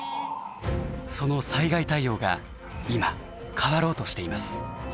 その災害対応が今変わろうとしています。